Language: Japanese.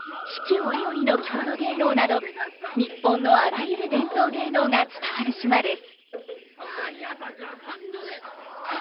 折々の郷土芸能など日本のあらゆる伝統芸能が伝わる島です。